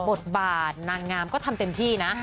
บทบาทนางงามก็ทำเต็มที่นะ